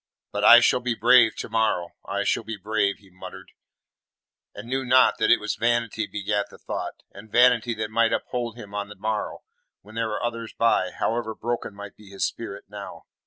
"But I shall be brave to morrow. I shall be brave," he muttered, and knew not that it was vanity begat the thought, and vanity that might uphold him on the morrow when there were others by, however broken might be his spirit now.